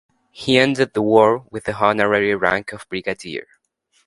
He ended the War with the honorary rank of Brigadier.